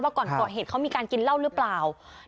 ก่อนก่อเหตุเขามีการกินเหล้าหรือเปล่า